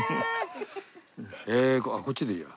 えあっこっちでいいや。